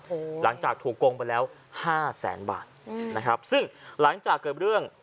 โอ้โหหลังจากถูกโกงไปแล้วห้าแสนบาทอืมนะครับซึ่งหลังจากเกิดเรื่อง